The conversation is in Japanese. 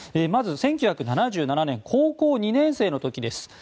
まず１９７７年高校２年生の時です。